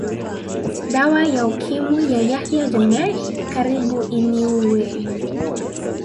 Dawa ya Ukimwi ya Yahya Jammeh karibu iniue